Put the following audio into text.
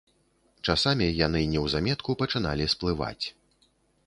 Часамі яны неўзаметку пачыналі сплываць.